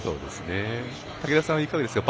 武田さんはどうですか。